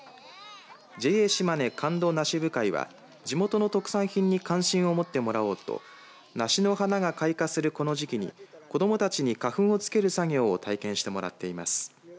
ＪＡしまね神門梨部会は地元の特産品に関心を持ってもらおうと梨の花が開花するこの時期に子どもたちに花粉を付ける作業を体験してもらっています。